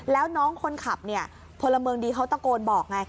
แล้วน้องคนขับเนี่ยพลเมืองดีเขาตะโกนบอกไง